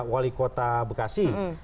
wali kota bekasi